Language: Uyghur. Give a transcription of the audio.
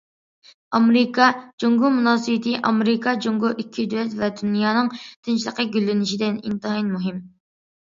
ئامېرىكا- جۇڭگو مۇناسىۋىتى ئامېرىكا- جۇڭگو ئىككى دۆلەت ۋە دۇنيانىڭ تىنچلىقى، گۈللىنىشىدە ئىنتايىن مۇھىم.